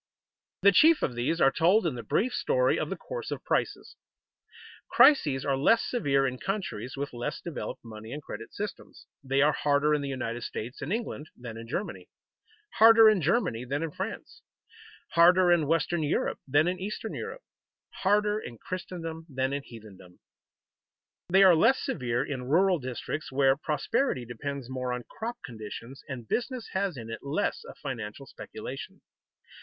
_ The chief of these are told in the brief story of the course of prices. Crises are less severe in countries with less developed money and credit systems. They are harder in the United States and England than in Germany, harder in Germany than in France, harder in western Europe than in eastern Europe, harder in Christendom than in heathendom. They are less severe in rural districts, where prosperity depends more on crop conditions, and business has in it less of financial speculation.